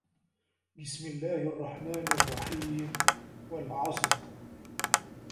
بِسمِ اللَّهِ الرَّحمنِ الرَّحيمِ وَالعَصرِ